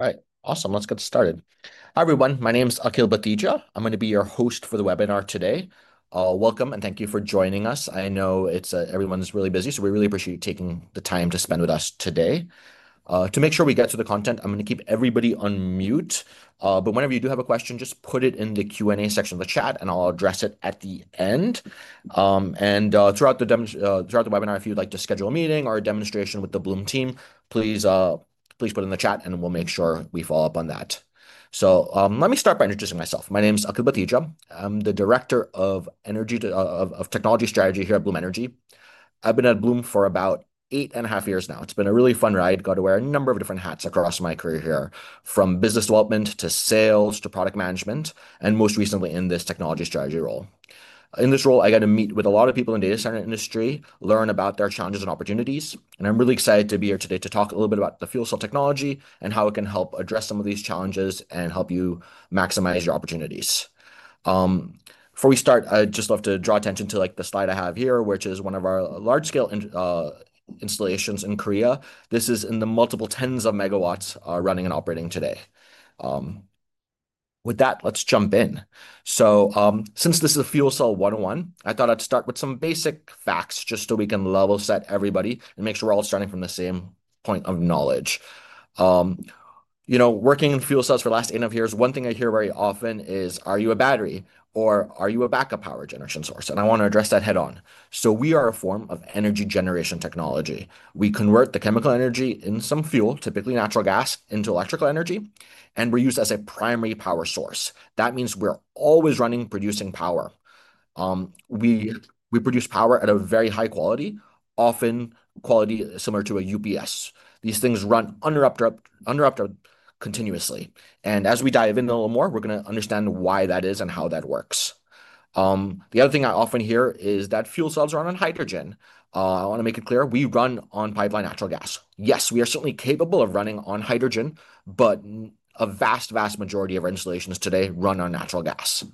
All right, awesome. Let's get started. Hi, everyone. My name is Akhil Batheja. I'm going to be your host for the webinar today. Welcome, and thank you for joining us. I know everyone's really busy, so we really appreciate you taking the time to spend with us today. To make sure we get to the content, I'm going to keep everybody on mute. Whenever you do have a question, just put it in the Q&A section of the chat, and I'll address it at the end. Throughout the webinar, if you'd like to schedule a meeting or a demonstration with the Bloom team, please put it in the chat, and we'll make sure we follow up on that. Let me start by introducing myself. My name is Akhil Batheja. I'm the Director of Technology Strategy here at Bloom Energy. I've been at Bloom for about eight and a half years now. It's been a really fun ride. Got to wear a number of different hats across my career here, from business development to sales to product management, and most recently in this technology strategy role. In this role, I get to meet with a lot of people in the data center industry, learn about their challenges and opportunities. I'm really excited to be here today to talk a little bit about the fuel cell technology and how it can help address some of these challenges and help you maximize your opportunities. Before we start, I'd just love to draw attention to the slide I have here, which is one of our large-scale installations in Korea. This is in the multiple tens of MW running and operating today. With that, let's jump in. Since this is a Fuel Cell 101, I thought I'd start with some basic facts just so we can level set everybody and make sure we're all starting from the same point of knowledge. Working in fuel cells for the last eight and a half years, one thing I hear very often is, "Are you a battery?" or "Are you a backup power generation source?" I want to address that head-on. We are a form of energy generation technology. We convert the chemical energy in some fuel, typically natural gas, into electrical energy and reuse it as a primary power source. That means we're always running, producing power. We produce power at a very high quality, often quality similar to a UPS. These things run [uninterrupted] continuously. As we dive in a little more, we're going to understand why that is and how that works. The other thing I often hear is that fuel cells run on hydrogen. I want to make it clear, we run on pipeline natural gas. Yes, we are certainly capable of running on hydrogen, but a vast, vast majority of our installations today run on natural gas.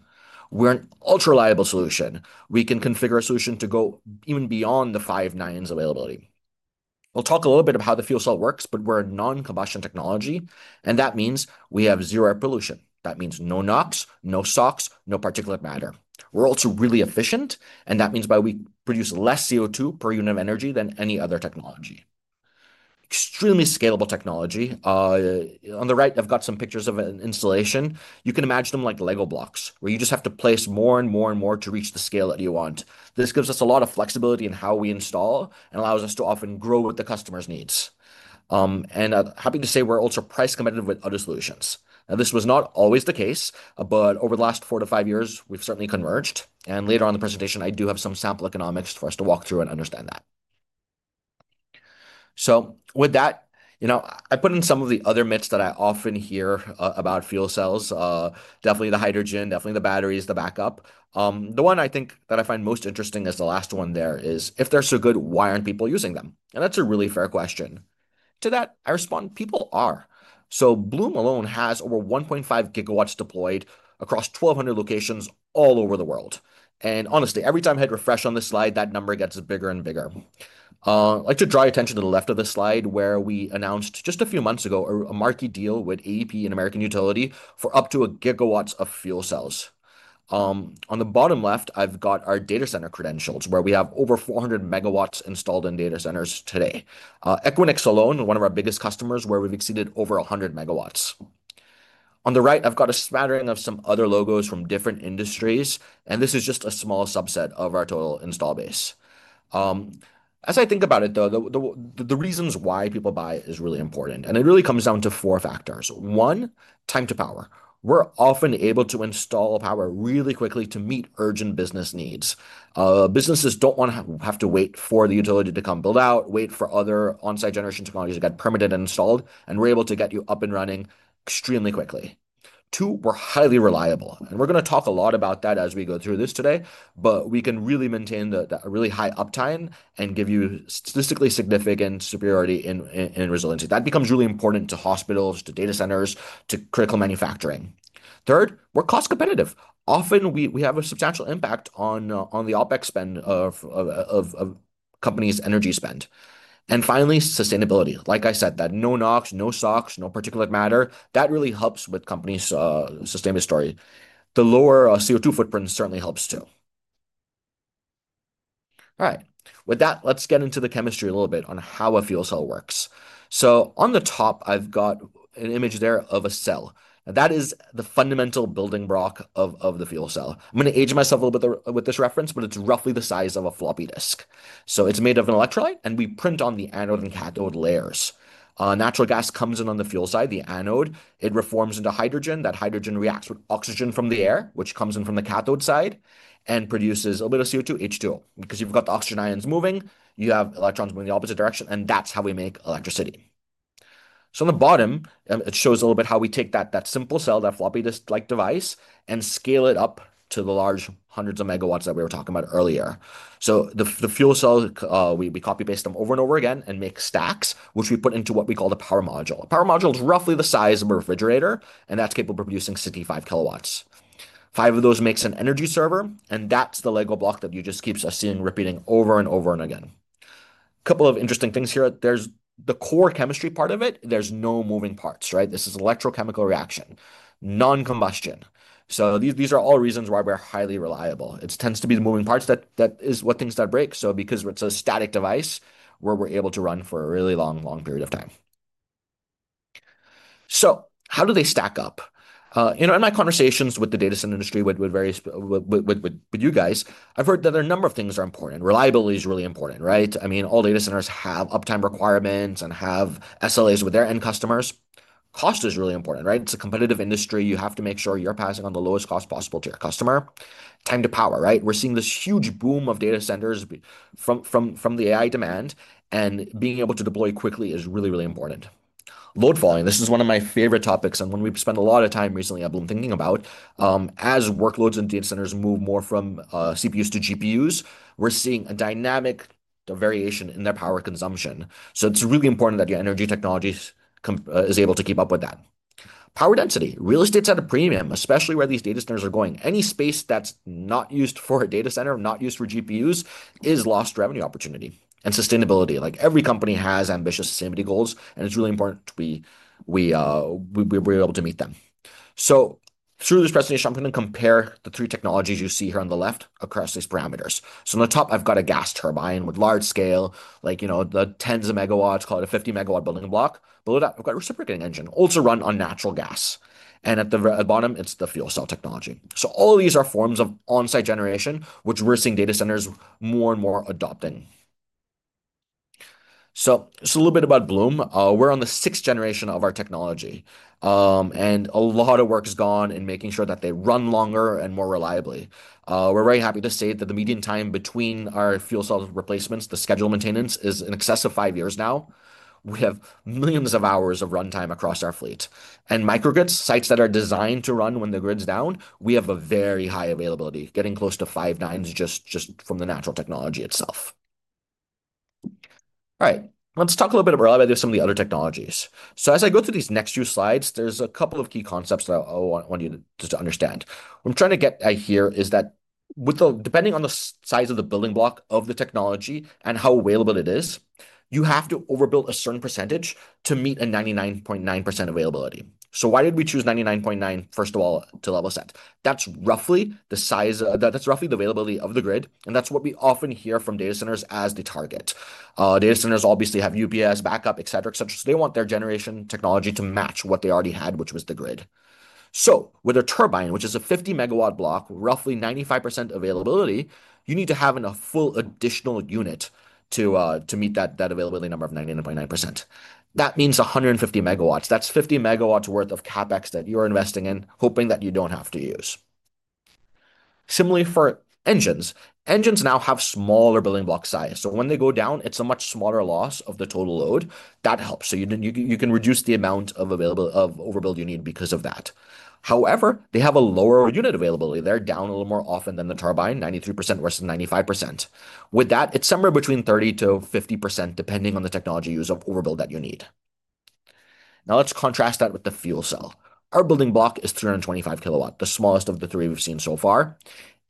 We're an ultra-reliable solution. We can configure a solution to go even beyond the 99.999% availability. I'll talk a little bit about how the fuel cell works, but we're a non-combustion technology, and that means we have zero air pollution. That means no NOx, no SOx, no particulate matter. We're also really efficient, and that means we produce less CO2 per unit of energy than any other technology. Extremely scalable technology. On the right, I've got some pictures of an installation. You can imagine them like Lego blocks where you just have to place more and more and more to reach the scale that you want. This gives us a lot of flexibility in how we install and allows us to often grow with the customer's needs. I'm happy to say we're ultra-price competitive with other solutions. This was not always the case, but over the last four-five years, we've certainly converged. Later on in the presentation, I do have some sample economics for us to walk through and understand that. With that, I put in some of the other myths that I often hear about fuel cells. Definitely the hydrogen, definitely the batteries, the backup. The one I think that I find most interesting is the last one there is, "If they're so good, why aren't people using them?" That is a really fair question. To that, I respond, "People are." Bloom alone has over 1.5 GW deployed across 1,200 locations all over the world. Honestly, every time I hit refresh on this slide, that number gets bigger and bigger. I would like to draw attention to the left of this slide where we announced just a few months ago a marquee deal with AEP and American Electric Power for up to a gigawatt of fuel cells. On the bottom left, I have got our data center credentials where we have over 400 MW installed in data centers today. Equinix alone, one of our biggest customers, where we have exceeded over 100 MW. On the right, I've got a smattering of some other logos from different industries, and this is just a small subset of our total install base. As I think about it, though, the reasons why people buy is really important, and it really comes down to four factors. One, time to power. We're often able to install power really quickly to meet urgent business needs. Businesses don't want to have to wait for the utility to come build out, wait for other on-site generation technologies to get permitted and installed, and we're able to get you up and running extremely quickly. Two, we're highly reliable. We're going to talk a lot about that as we go through this today, but we can really maintain a really high uptime and give you statistically significant superiority in resiliency. That becomes really important to hospitals, to data centers, to critical manufacturing. Third, we're cost competitive. Often, we have a substantial impact on the OpEx spend of companies' energy spend. Finally, sustainability. Like I said, that no NOx, no SOx, no particulate matter, that really helps with companies' sustainability story. The lower CO2 footprint certainly helps too. All right. With that, let's get into the chemistry a little bit on how a fuel cell works. On the top, I've got an image there of a cell. That is the fundamental building block of the fuel cell. I'm going to age myself a little bit with this reference, but it's roughly the size of a floppy disk. It's made of an electrolyte, and we print on the anode and cathode layers. Natural gas comes in on the fuel side, the anode. It reforms into hydrogen. That hydrogen reacts with oxygen from the air, which comes in from the cathode side and produces a little bit of CO2, H2O. Because you've got the oxygen ions moving, you have electrons moving in the opposite direction, and that's how we make electricity. On the bottom, it shows a little bit how we take that simple cell, that floppy disk-like device, and scale it up to the large hundreds of MW that we were talking about earlier. The fuel cells, we copy-paste them over and over again and make stacks, which we put into what we call the power module. A power module is roughly the size of a refrigerator, and that's capable of producing 65 kW. Five of those makes an Energy Server, and that's the Lego block that you just keep seeing repeating over and over and again. A couple of interesting things here. There's the core chemistry part of it. There's no moving parts. This is an electrochemical reaction, non-combustion. So these are all reasons why we're highly reliable. It tends to be the moving parts that is what things that break. Because it's a static device, we're able to run for a really long, long period of time. How do they stack up? In my conversations with the data center industry, with you guys, I've heard that a number of things are important. Reliability is really important. I mean, all data centers have uptime requirements and have SLAs with their end customers. Cost is really important. It's a competitive industry. You have to make sure you're passing on the lowest cost possible to your customer. Time to power. We're seeing this huge boom of data centers from the AI demand, and being able to deploy quickly is really, really important. Load following. This is one of my favorite topics, and one we've spent a lot of time recently, I've been thinking about. As workloads and data centers move more from CPUs to GPUs, we're seeing a dynamic variation in their power consumption. It is really important that your energy technology is able to keep up with that. Power density. Real estate's at a premium, especially where these data centers are going. Any space that's not used for a data center, not used for GPUs, is lost revenue opportunity. Sustainability. Every company has ambitious sustainability goals, and it's really important we are able to meet them. Through this presentation, I'm going to compare the three technologies you see here on the left across these parameters. On the top, I've got a gas turbine with large scale, like the tens of megawatts, call it a 50 MW building block. Below that, I've got a reciprocating engine, also run on natural gas. At the bottom, it's the fuel cell technology. All of these are forms of on-site generation, which we're seeing data centers more and more adopting. A little bit about Bloom. We're on the 6th-generation of our technology. A lot of work has gone in making sure that they run longer and more reliably. We're very happy to say that the median time between our fuel cell replacements, the scheduled maintenance, is in excess of five years now. We have millions of hours of runtime across our fleet. Microgrids, sites that are designed to run when the grid's down, have a very high availability. Getting close to 99.999% just from the natural technology itself. All right. Let's talk a little bit about some of the other technologies. As I go through these next few slides, there's a couple of key concepts that I want you to understand. What I'm trying to get at here is that, depending on the size of the building block of the technology and how available it is, you have to overbuild a certain % to meet a 99.9% availability. Why did we choose 99.9%, first of all, to level set? That's roughly the size, that's roughly the availability of the grid, and that's what we often hear from data centers as the target. Data centers obviously have UPS, backup, et cetera, et cetera. They want their generation technology to match what they already had, which was the grid. With a turbine, which is a 50 MW block, roughly 95% availability, you need to have a full additional unit to meet that availability number of 99.9%. That means 150 MW. That is 50 MW worth of CapEx that you are investing in, hoping that you do not have to use. Similarly, for engines, engines now have smaller building block size. So when they go down, it is a much smaller loss of the total load. That helps. You can reduce the amount of overbuild you need because of that. However, they have a lower unit availability. They are down a little more often than the turbine, 93% versus 95%. With that, it is somewhere between 30%-50%, depending on the technology use of overbuild that you need. Now, let us contrast that with the fuel cell. Our building block is 325 kW, the smallest of the three we have seen so far.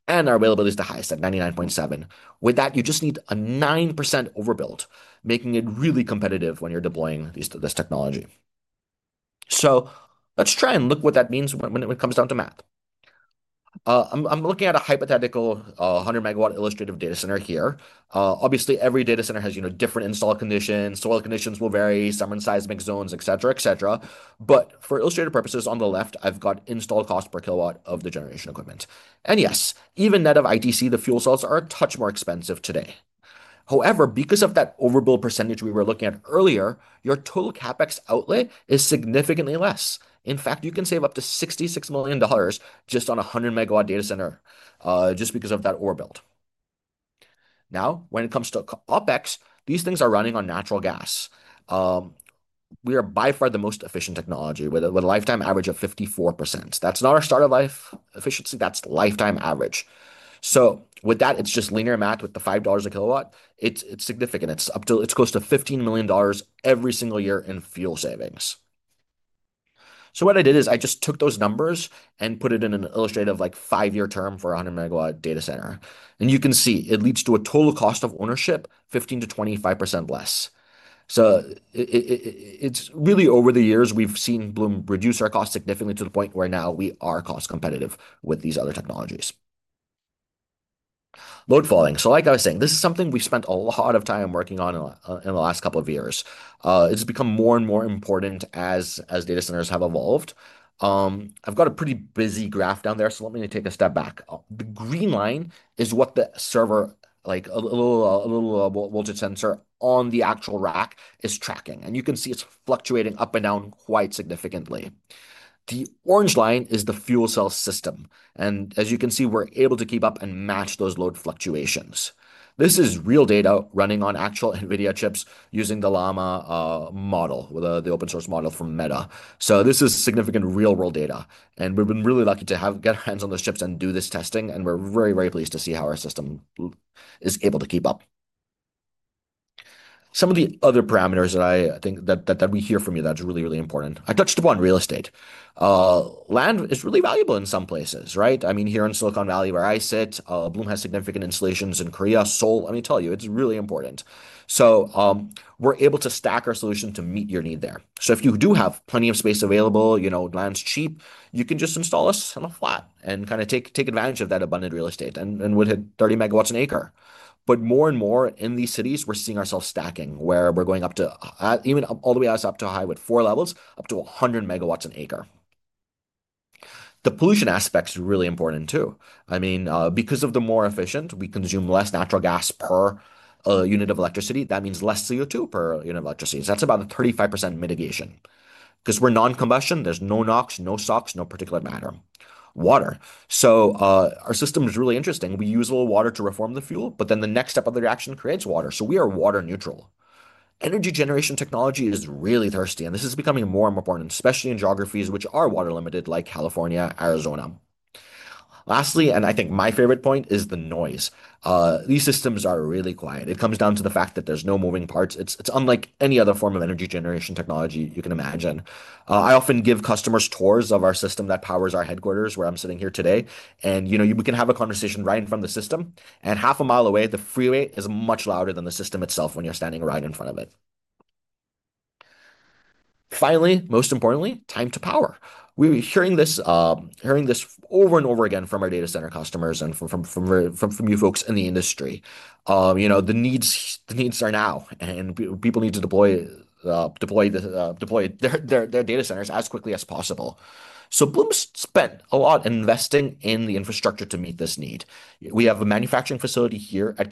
Our availability is the highest, at 99.7%. With that, you just need a 9% overbuild, making it really competitive when you're deploying this technology. Let's try and look at what that means when it comes down to math. I'm looking at a hypothetical 100 MW illustrative data center here. Obviously, every data center has different install conditions. Soil conditions will vary, summary seismic zones, et cetera, et cetera. For illustrative purposes, on the left, I've got install cost per kilowatt of the generation equipment. Yes, even net of ITC, the fuel cells are a touch more expensive today. However, because of that overbuild percentage we were looking at earlier, your total CapEx outlay is significantly less. In fact, you can save up to $66 million just on a 100 MW data center just because of that overbuild. Now, when it comes to OpEx, these things are running on natural gas. We are by far the most efficient technology with a lifetime average of 54%. That's not our startup life efficiency. That's lifetime average. With that, it's just linear math with the $5 a kilowatt. It's significant. It's close to $15 million every single year in fuel savings. What I did is I just took those numbers and put it in an illustrative five-year term for a 100 MW data center. You can see it leads to a total cost of ownership 15%-25% less. Over the years we've seen Bloom reduce our cost significantly to the point where now we are cost competitive with these other technologies. Load following. Like I was saying, this is something we've spent a lot of time working on in the last couple of years. It's become more and more important as data centers have evolved. I've got a pretty busy graph down there, so let me take a step back. The green line is what the server, like a little voltage sensor on the actual rack, is tracking. You can see it's fluctuating up and down quite significantly. The orange line is the fuel cell system. As you can see, we're able to keep up and match those load fluctuations. This is real data running on actual NVIDIA chips using the Llama model, the open-source model from Meta. This is significant real-world data. We've been really lucky to get our hands on those chips and do this testing. We're very, very pleased to see how our system is able to keep up. Some of the other parameters that I think that we hear from you that's really, really important. I touched upon real estate. Land is really valuable in some places. I mean, here in Silicon Valley, where I sit, Bloom has significant installations in Korea, Seoul. Let me tell you, it's really important. We're able to stack our solution to meet your need there. If you do have plenty of space available, land's cheap, you can just install us on a flat and kind of take advantage of that abundant real estate and would hit 30 MW an acre. More and more in these cities, we're seeing ourselves stacking where we're going up to even all the way up to high with four levels, up to 100 MW an acre. The pollution aspect is really important too. I mean, because of the more efficient, we consume less natural gas per unit of electricity. That means less CO2 per unit of electricity. That's about a 35% mitigation. Because we're non-combustion, there's no NOx, no SOx, no particulate matter. Water. Our system is really interesting. We use a little water to reform the fuel, but then the next step of the reaction creates water. We are water neutral. Energy generation technology is really thirsty. This is becoming more and more important, especially in geographies which are water limited, like California, Arizona. Lastly, and I think my favorite point is the noise. These systems are really quiet. It comes down to the fact that there's no moving parts. It's unlike any other form of energy generation technology you can imagine. I often give customers tours of our system that powers our headquarters where I'm sitting here today. You can have a conversation right in front of the system. Half a mile away, the freeway is much louder than the system itself when you're standing right in front of it. Finally, most importantly, time to power. We're hearing this over and over again from our data center customers and from you folks in the industry. The needs are now, and people need to deploy their data centers as quickly as possible. Bloom spent a lot investing in the infrastructure to meet this need. We have a manufacturing facility here in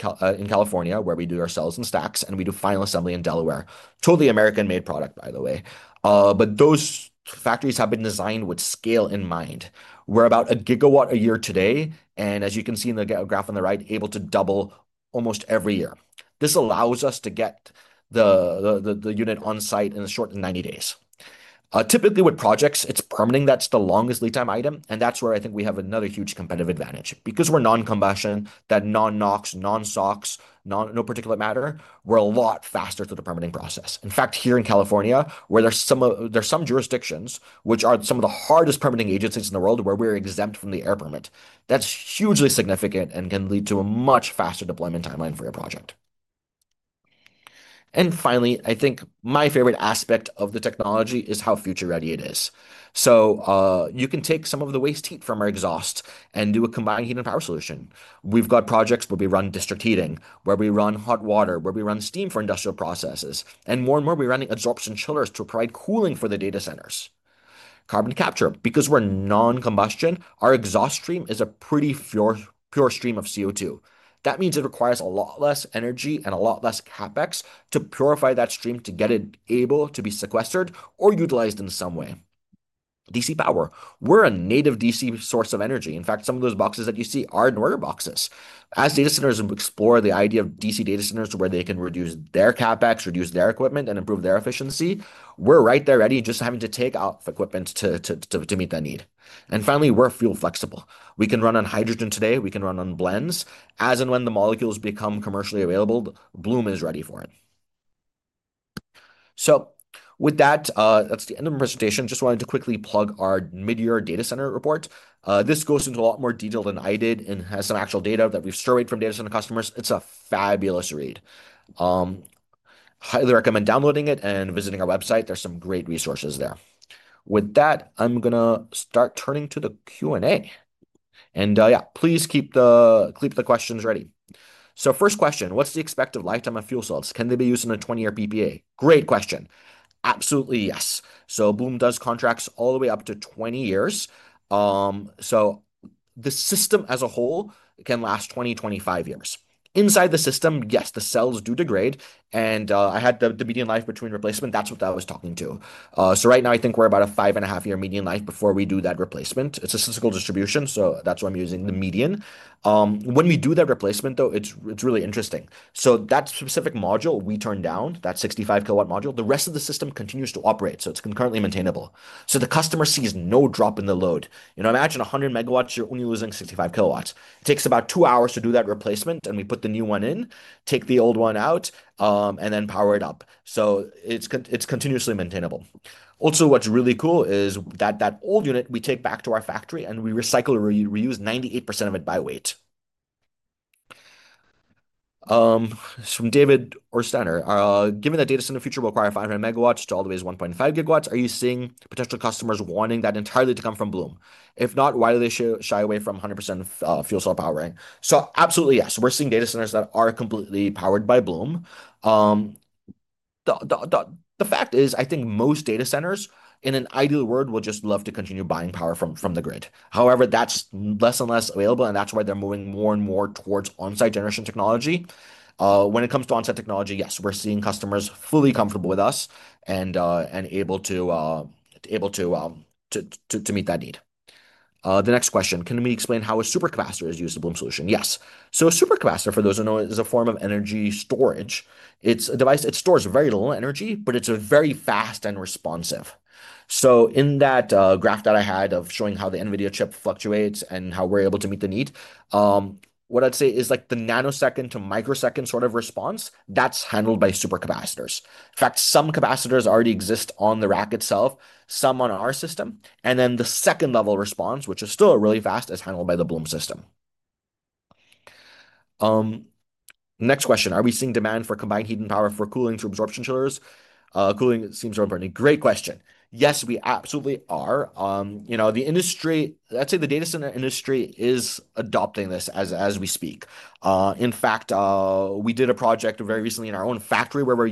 California where we do our cells and stacks, and we do final assembly in Delaware. Totally American-made product, by the way. Those factories have been designed with scale in mind. We're about a gigawatt a year today. As you can see in the graph on the right, able to double almost every year. This allows us to get the. Unit on site in as short as 90 days. Typically, with projects, it's permitting. That's the longest lead time item. That's where I think we have another huge competitive advantage. Because we're non-combustion, that non-NOx, non-SOx, no particulate matter, we're a lot faster through the permitting process. In fact, here in California, where there's some jurisdictions which are some of the hardest permitting agencies in the world, where we're exempt from the air permit, that's hugely significant and can lead to a much faster deployment timeline for your project. Finally, I think my favorite aspect of the technology is how future-ready it is. You can take some of the waste heat from our exhaust and do a combined heat and power solution. We've got projects where we run district heating, where we run hot water, where we run steam for industrial processes. More and more, we're running absorption chillers to provide cooling for the data centers. Carbon capture, because we're non-combustion, our exhaust stream is a pretty pure stream of CO2. That means it requires a lot less energy and a lot less CapEx to purify that stream to get it able to be sequestered or utilized in some way. DC power. We're a native DC source of energy. In fact, some of those boxes that you see are Northern boxes. As data centers explore the idea of DC data centers where they can reduce their CapEx, reduce their equipment, and improve their efficiency, we're right there ready, just having to take out the equipment to meet that need. Finally, we're fuel flexible. We can run on hydrogen today. We can run on blends. As and when the molecules become commercially available, Bloom is ready for it. With that, that's the end of my presentation. Just wanted to quickly plug our mid-year data center report. This goes into a lot more detail than I did and has some actual data that we've surveyed from data center customers. It's a fabulous read. Highly recommend downloading it and visiting our website. There are some great resources there. With that, I'm going to start turning to the Q&A. Yeah, please keep the questions ready. First question, what's the expected lifetime of fuel cells? Can they be used in a 20-year PPA? Great question. Absolutely, yes. Bloom does contracts all the way up to 20 years. The system as a whole can last 20-25 years. Inside the system, yes, the cells do degrade. I had the median life between replacement. That's what I was talking to. Right now, I think we're about a 5.5 year median life before we do that replacement. It's a statistical distribution, so that's why I'm using the median. When we do that replacement, though, it's really interesting. That specific module we turn down, that 65 kW module, the rest of the system continues to operate. It's concurrently maintainable. The customer sees no drop in the load. Imagine 100 MW, you're only losing 65 kW. It takes about two hours to do that replacement, and we put the new one in, take the old one out, and then power it up. It's continuously maintainable. Also, what's really cool is that that old unit we take back to our factory and we recycle or reuse 98% of it by weight. From David Orstaner, given that data center future will require 500 MW to all the way to 1.5 GW, are you seeing potential customers wanting that entirely to come from Bloom? If not, why do they shy away from 100% fuel cell powering? Absolutely, yes. We're seeing data centers that are completely powered by Bloom. The fact is, I think most data centers, in an ideal world, would just love to continue buying power from the grid. However, that's less and less available, and that's why they're moving more and more towards on-site generation technology. When it comes to on-site technology, yes, we're seeing customers fully comfortable with us and able to meet that need. The next question, can we explain how a supercapacitor is used in Bloom solution? Yes. A supercapacitor, for those who know, is a form of energy storage. It's a device that stores very little energy, but it's very fast and responsive. In that graph that I had of showing how the NVIDIA chip fluctuates and how we're able to meet the need, what I'd say is like the nanosecond to microsecond sort of response, that's handled by supercapacitors. In fact, some capacitors already exist on the rack itself, some on our system. The second-level response, which is still really fast, is handled by the Bloom system. Next question, are we seeing demand for combined heat and power for cooling through absorption chillers? Cooling seems to be a great question. Yes, we absolutely are. The industry, I'd say the data center industry is adopting this as we speak. In fact, we did a project very recently in our own factory where we're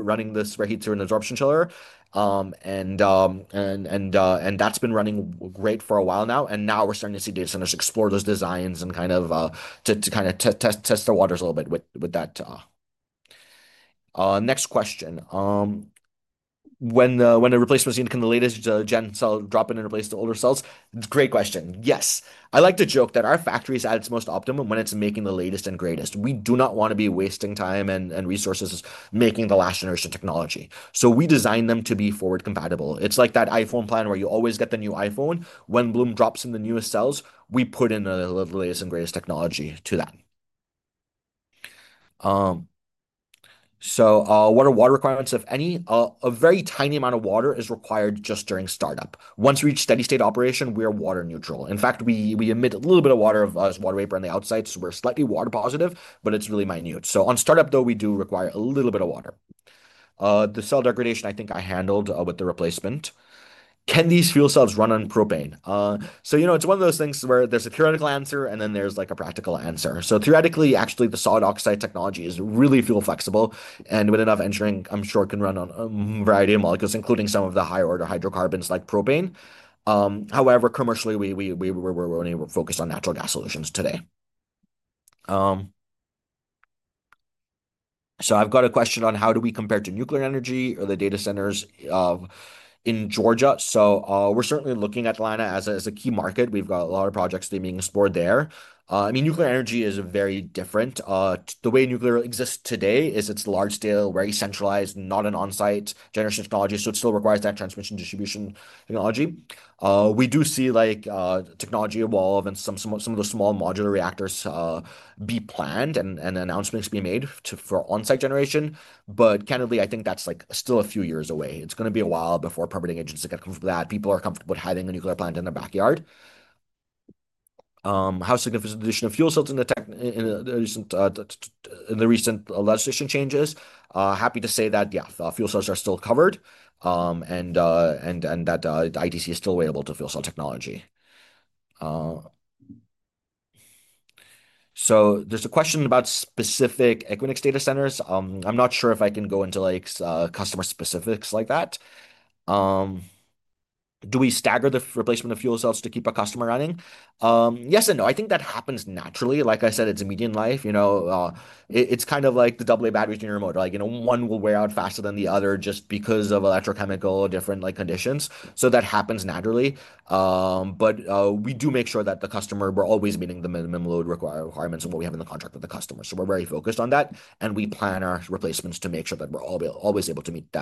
running the spare heat through an absorption chiller. That's been running great for a while now. Now we're starting to see data centers explore those designs and kind of test their waters a little bit with that. Next question. When the replacement is needed, can the latest-gen cell drop in and replace the older cells? It's a great question. Yes. I like to joke that our factory is at its most optimum when it's making the latest and greatest. We do not want to be wasting time and resources making the last-generation technology. We design them to be forward-compatible. It's like that iPhone plan where you always get the new iPhone. When Bloom drops in the newest cells, we put in the latest and greatest technology to that. What are water requirements, if any? A very tiny amount of water is required just during startup. Once we reach steady-state operation, we are water neutral. In fact, we emit a little bit of water as water vapor on the outside. We are slightly water positive, but it is really minute. On startup, though, we do require a little bit of water. The cell degradation, I think I handled with the replacement. Can these fuel cells run on propane? It is one of those things where there is a theoretical answer and then there is a practical answer. Theoretically, actually, the solid oxide technology is really fuel flexible. With enough engineering, I am sure it can run on a variety of molecules, including some of the higher-order hydrocarbons like propane. However, commercially, we are only focused on natural gas solutions today. I have got a question on how do we compare to nuclear energy or the data centers in Georgia. We are certainly looking at Atlanta as a key market. We've got a lot of projects being explored there. I mean, nuclear energy is very different. The way nuclear exists today is it's large-scale, very centralized, not an on-site generation technology. It still requires that transmission distribution technology. We do see technology evolve and some of the small modular reactors be planned and announcements be made for on-site generation. Candidly, I think that's still a few years away. It's going to be a while before permitting agents get comfortable with that. People are comfortable with having a nuclear plant in their backyard. How significant is the addition of fuel cells in the recent legislation changes? Happy to say that, yeah, fuel cells are still covered and that the ITC is still available to fuel cell technology. There's a question about specific Equinix data centers. I'm not sure if I can go into customer specifics like that. Do we stagger the replacement of fuel cells to keep a customer running? Yes and no. I think that happens naturally. Like I said, it's a median life. It's kind of like the double A batteries in your remote. One will wear out faster than the other just because of electrochemical different conditions. That happens naturally. We do make sure that the customer, we're always meeting the minimum load requirements and what we have in the contract with the customer. We are very focused on that. We plan our replacements to make sure that we're always able to meet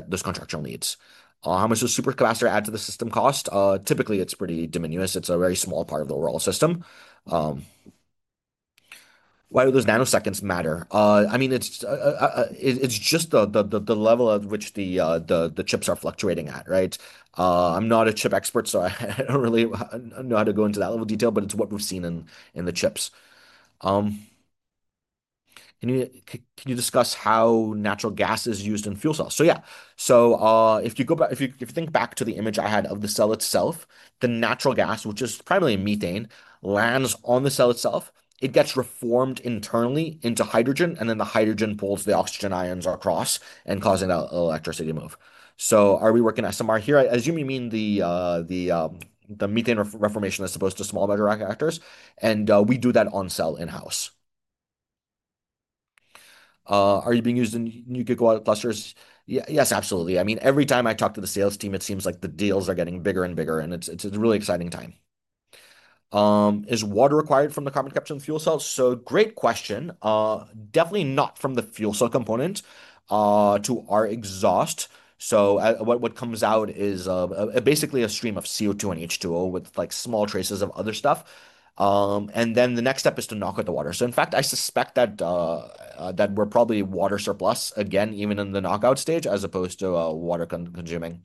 those contractual needs. How much does supercapacitor add to the system cost? Typically, it's pretty diminutive. It's a very small part of the overall system. Why do those nanoseconds matter? I mean. It's just the level at which the chips are fluctuating at, right? I'm not a chip expert, so I don't really know how to go into that level of detail, but it's what we've seen in the chips. Can you discuss how natural gas is used in fuel cells? Yeah. If you think back to the image I had of the cell itself, the natural gas, which is primarily methane, lands on the cell itself. It gets reformed internally into hydrogen, and then the hydrogen pulls the oxygen ions across and causes an electricity move. Are we working SMR here? I assume you mean the methane reformation as opposed to small battery reactors. We do that on cell in-house. Are you being used in new gigawatt clusters? Yes, absolutely. I mean, every time I talk to the sales team, it seems like the deals are getting bigger and bigger, and it's a really exciting time. Is water required from the carbon capture in fuel cells? Great question. Definitely not from the fuel cell component. To our exhaust, what comes out is basically a stream of CO2 and H2O with small traces of other stuff. The next step is to knock out the water. In fact, I suspect that we're probably water surplus, again, even in the knockout stage as opposed to water consuming.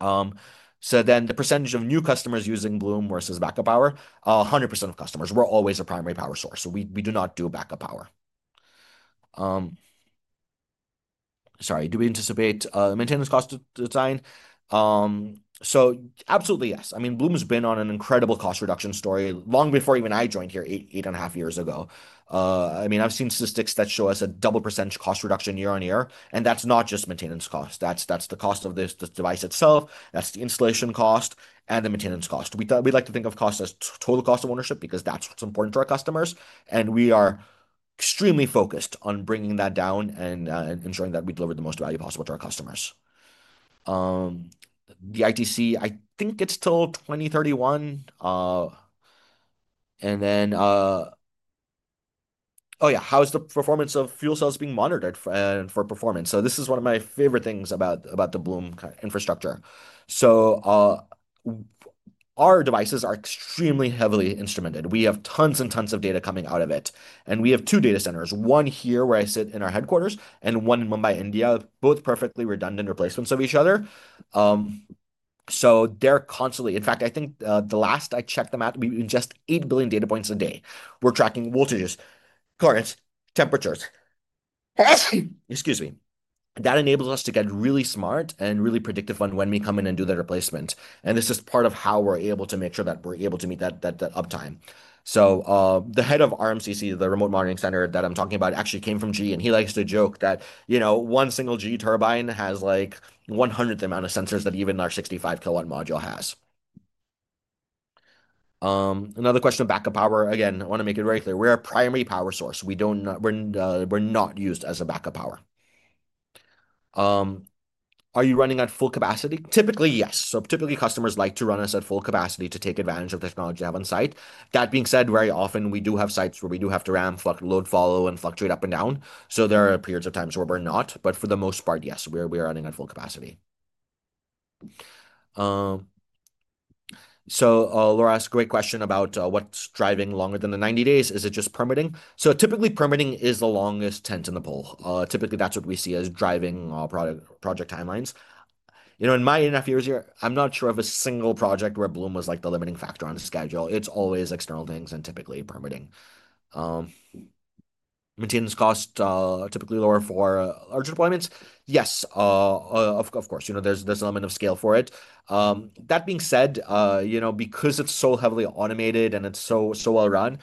The percentage of new customers using Bloom versus backup power, 100% of customers. We're always a primary power source. We do not do backup power. Do we anticipate maintenance cost design? Absolutely, yes. Bloom has been on an incredible cost reduction story long before even I joined here eight and a half years ago. I have seen statistics that show us a double percentage cost reduction year-on-year. That's not just maintenance cost. That's the cost of the device itself. That's the installation cost and the maintenance cost. We like to think of cost as total cost of ownership because that's what's important to our customers. We are extremely focused on bringing that down and ensuring that we deliver the most value possible to our customers. The ITC, I think it's till 2031. Oh yeah, how is the performance of fuel cells being monitored for performance? This is one of my favorite things about the Bloom infrastructure. Our devices are extremely heavily instrumented. We have tons and tons of data coming out of it. We have two data centers, one here where I sit in our headquarters and one in Mumbai, India, both perfectly redundant replacements of each other. They're constantly—in fact, I think the last I checked them at, we're in just 8 billion data points a day. We're tracking voltages, currents, temperatures. Excuse me. That enables us to get really smart and really predictive on when we come in and do the replacement. This is part of how we're able to make sure that we're able to meet that uptime. The head of RMCC, the remote monitoring center that I'm talking about, actually came from GE, and he likes to joke that one single GE turbine has like 1/100 the amount of sensors that even our 65 kW module has. Another question of backup power. Again, I want to make it very clear. We're a primary power source. We're not used as a backup power. Are you running at full capacity? Typically, yes. Typically, customers like to run us at full capacity to take advantage of the technology we have on site. That being said, very often, we do have sites where we do have to ramp, load follow, and fluctuate up and down. There are periods of time where we're not. For the most part, yes, we are running at full capacity. Laura asked a great question about what's driving longer than the 90 days. Is it just permitting? Typically, permitting is the longest tent in the pole. That's what we see as driving project timelines. In my enough years here, I'm not sure of a single project where Bloom was the limiting factor on the schedule. It's always external things and typically permitting. Maintenance cost typically lower for larger deployments? Yes. Of course. There's an element of scale for it. That being said, because it's so heavily automated and it's so well run,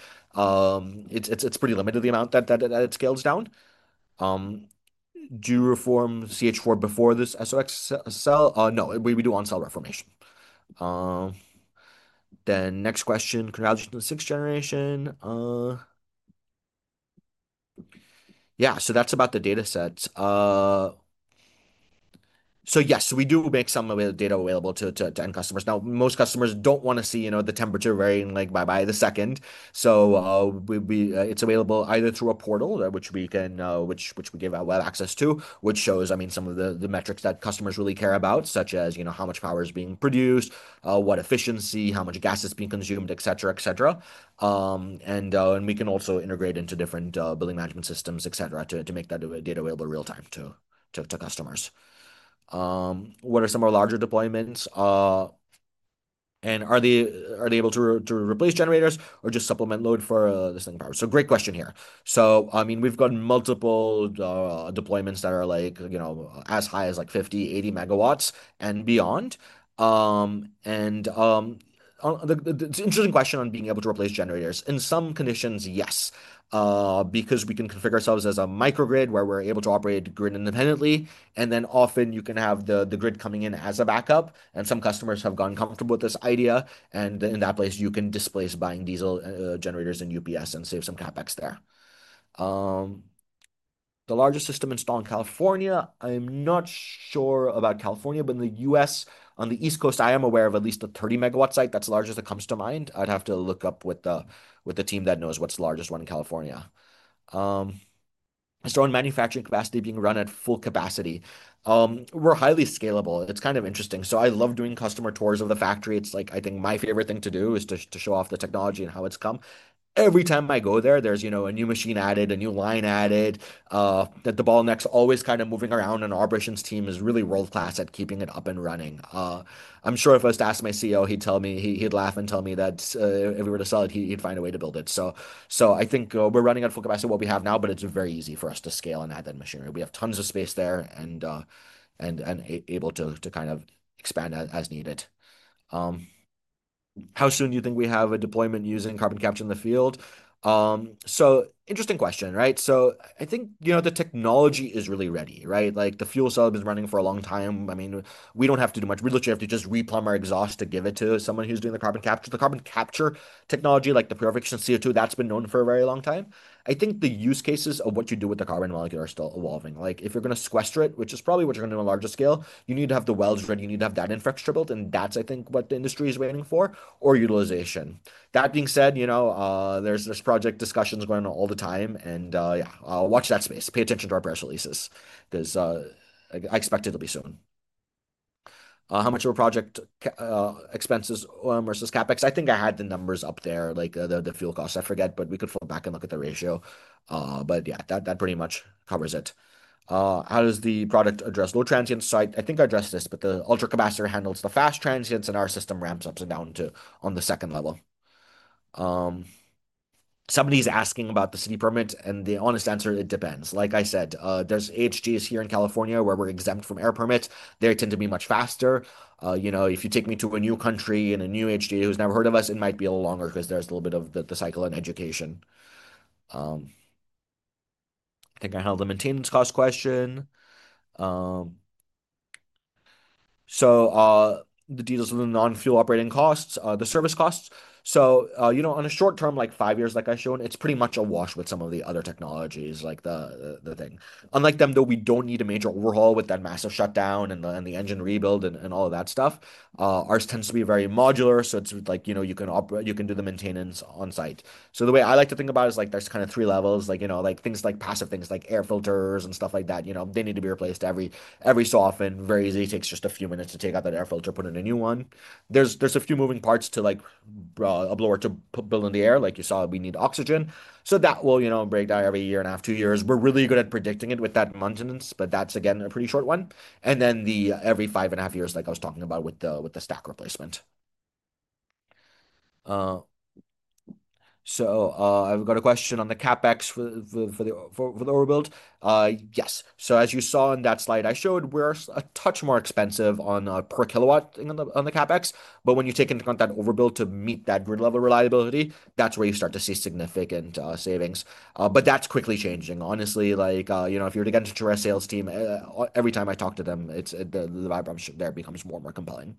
it's pretty limited the amount that it scales down. Do you reform CH4 before this SOx cell? No, we do on-cell reformation. Next question, congratulations on 6th-generation. yeah, that's about the data sets. Yes, we do make some of the data available to end customers. Now, most customers don't want to see the temperature varying by the second. It's available either through a portal, which we give out web access to, which shows, I mean, some of the metrics that customers really care about, such as how much power is being produced, what efficiency, how much gas is being consumed, et cetera, et cetera. We can also integrate into different building management systems, et cetera, to make that data available real-time to customers. What are some of our larger deployments? Are they able to replace generators or just supplement load for this thing power? Great question here. I mean, we've got multiple deployments that are as high as 50-80 MW and beyond. It's an interesting question on being able to replace generators. In some conditions, yes, because we can configure ourselves as a microgrid where we're able to operate grid independently. Then often you can have the grid coming in as a backup. Some customers have gotten comfortable with this idea. In that place, you can displace buying diesel generators and UPS and save some CapEx there. The largest system installed in California, I'm not sure about California, but in the U.S., on the East Coast, I am aware of at least a 30 MW site that's the largest that comes to mind. I'd have to look up with the team that knows what's the largest one in California. Is there a manufacturing capacity being run at full capacity? We're highly scalable. It's kind of interesting. I love doing customer tours of the factory. I think my favorite thing to do is to show off the technology and how it's come. Every time I go there, there's a new machine added, a new line added. The ball next always kind of moving around, and our operations team is really world-class at keeping it up and running. I'm sure if I was to ask my CEO, he'd tell me, he'd laugh and tell me that if we were to sell it, he'd find a way to build it. I think we're running at full capacity with what we have now, but it's very easy for us to scale and add that machinery. We have tons of space there and are able to kind of expand as needed. How soon do you think we have a deployment using carbon capture in the field? Interesting question, right? I think the technology is really ready, right? The fuel cell has been running for a long time. I mean, we do not have to do much. We literally have to just replumb our exhaust to give it to someone who's doing the carbon capture. The carbon capture technology, like the purification of CO2, that's been known for a very long time. I think the use cases of what you do with the carbon molecule are still evolving. Like if you're going to sequester it, which is probably what you're going to do on a larger scale, you need to have the welds ready. You need to have that infrastructure built. That's, I think, what the industry is waiting for, or utilization. That being said, there's project discussions going on all the time. Yeah, watch that space. Pay attention to our press releases. I expect it to be soon. How much of a project. Expenses versus CapEx? I think I had the numbers up there, like the fuel costs. I forget, but we could flip back and look at the ratio. Yeah, that pretty much covers it. How does the product address low transient site? I think I addressed this, but the supercapacitor handles the fast transients and our system ramps up and down on the second level. Somebody's asking about the city permit and the honest answer, it depends. Like I said, there's HGs here in California where we're exempt from air permits. They tend to be much faster. If you take me to a new country and a new HG who's never heard of us, it might be a little longer because there's a little bit of the cycle and education. I think I have the maintenance cost question. The details of the non-fuel operating costs, the service costs. On a short term, like five years, like I showed, it's pretty much a wash with some of the other technologies, like the thing. Unlike them, though, we don't need a major overhaul with that massive shutdown and the engine rebuild and all of that stuff. Ours tends to be very modular, so it's like you can do the maintenance on site. The way I like to think about it is like there's kind of three levels. Things like passive things like air filters and stuff like that, they need to be replaced every so often. Very easy, it takes just a few minutes to take out that air filter, put in a new one. There's a few moving parts too. A blower to build in the air. Like you saw, we need oxygen. That will break down every year and a half, two years. We're really good at predicting it with that maintenance, but that's again a pretty short one. Then the every 5.5 years, like I was talking about with the stack replacement. I've got a question on the CapEx for the overbuild. Yes. As you saw in that slide I showed, we're a touch more expensive per kilowatt on the CapEx. When you take into account that overbuild to meet that grid level reliability, that's where you start to see significant savings. That's quickly changing. Honestly, if you're to get into a sales team, every time I talk to them, the vibe there becomes more and more compelling.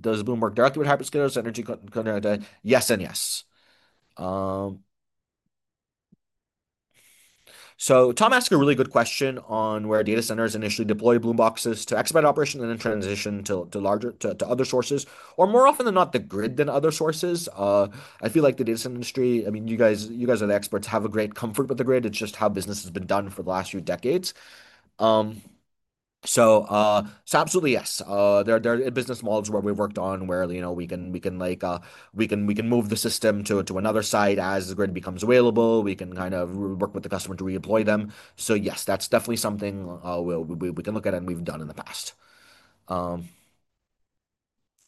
Does Bloom work directly with hyperscalers? Energy? Yes and yes. Tom asked a really good question on where data centers initially deployed Bloom boxes to expedite operation and then transition to other sources. Or more often than not, the grid than other sources. I feel like the data center industry, I mean, you guys are the experts, have a great comfort with the grid. It's just how business has been done for the last few decades. Absolutely yes. There are business models where we've worked on where we can move the system to another site as the grid becomes available. We can kind of work with the customer to redeploy them. Yes, that's definitely something we can look at and we've done in the past.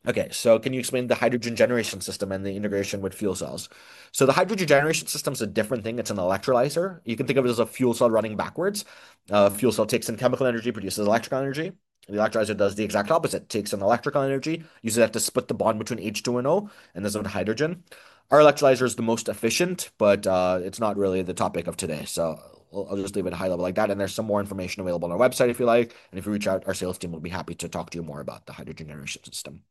Okay, can you explain the hydrogen generation system and the integration with fuel cells? The hydrogen generation system is a different thing. It's an electrolyzer. You can think of it as a fuel cell running backwards. A fuel cell takes in chemical energy, produces electrical energy. The electrolyzer does the exact opposite. Takes in electrical energy, uses it to split the bond between H2O, and there's no hydrogen. Our electrolyzer is the most efficient, but it's not really the topic of today. I'll just leave it at a high level like that. There's some more information available on our website if you like. If you reach out, our sales team will be happy to talk to you more about the hydrogen generation system.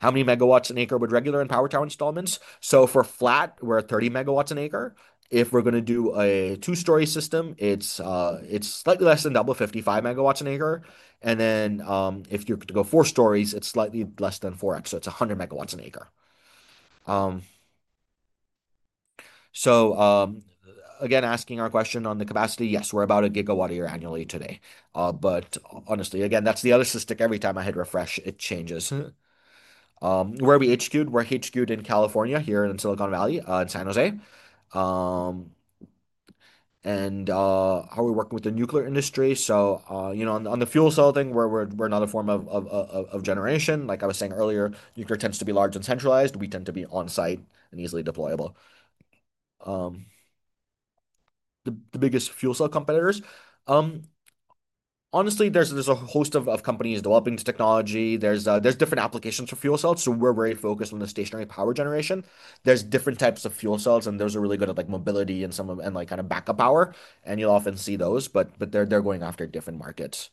How many megawatts an acre would regular and power tower installments? For flat, we're at 30 MW an acre. If we're going to do a two-story system, it's slightly less than double, 55 MW an acre. If you're to go four stories, it's slightly less than 4X, so it's 100 MW an acre. Again, asking our question on the capacity, yes, we're about a gigawatt a year annually today. Honestly, again, that's the other statistic. Every time I hit refresh, it changes. Where are we HQ'd? We're HQ'd in California, here in Silicon Valley, in San Jose. How are we working with the nuclear industry? On the fuel cell thing, we're not a form of generation. Like I was saying earlier, nuclear tends to be large and centralized. We tend to be on-site and easily deployable. The biggest fuel cell competitors? Honestly, there's a host of companies developing the technology. There's different applications for fuel cells. So we're very focused on the stationary power generation. There's different types of fuel cells, and those are really good at mobility and kind of backup power. And you'll often see those, but they're going after different markets.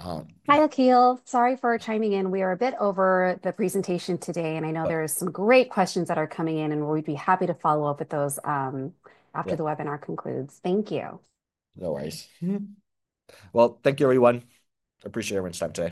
Hi, Akhil. Sorry for chiming in. We are a bit over the presentation today, and I know there are some great questions that are coming in, and we'd be happy to follow up with those after the webinar concludes. Thank you. No worries. Thank you, everyone. Appreciate everyone's time.